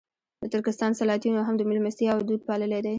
د ترکستان سلاطینو هم د مېلمستیاوو دود پاللی دی.